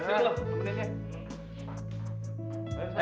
sini dulu temeninnya